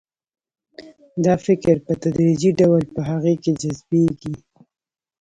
دا فکر په تدریجي ډول په هغه کې جذبیږي